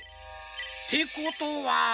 てことは。